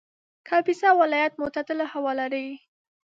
کاپیسا ولایت معتدله هوا لري